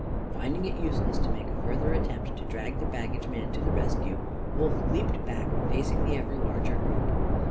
Finding it useless to make a further attempt to drag the baggageman to the rescue, Wolf leaped back, facing the ever larger group.